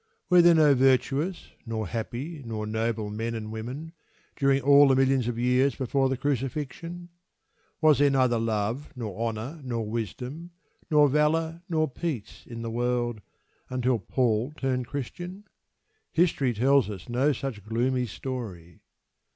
Were there no virtuous, nor happy, nor noble men and women during all the millions of years before the Crucifixion? Was there neither love, nor honour, nor wisdom, nor valour, nor peace in the world until Paul turned Christian? History tells us no such gloomy story.